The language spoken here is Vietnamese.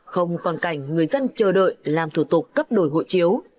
không còn cảnh người dân chờ đợi làm thủ tục cấp đổi hộ chiếu